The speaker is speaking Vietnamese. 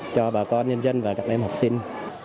cho bà con nhân dân và các em học sinh